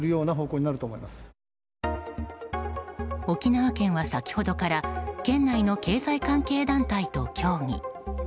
沖縄県は先ほどから県内の経済関係団体と協議。